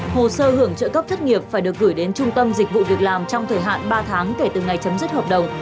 hồ sơ hưởng trợ cấp thất nghiệp phải được gửi đến trung tâm dịch vụ việc làm trong thời hạn ba tháng kể từ ngày chấm dứt hợp đồng